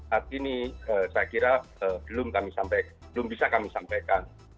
tapi ini saya kira belum kami sampai belum bisa kami sampaikan